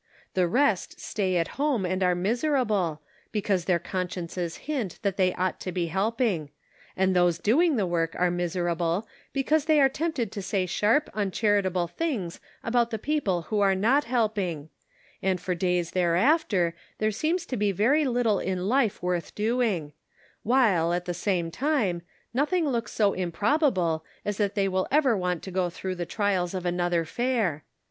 The rest stay at home and are miserable, because their con sciences hint that they ought to be helping ; and those doing the work are miserable, be cause they are tempted to say sharp, unchari table things about the people who are not helping ; and for days thereafter there seems 262 The Pocket Measure. to be very little in life worth doing ; while, at the same time, nothing looks so improbable as that they will ever want to go through the trials of another fair.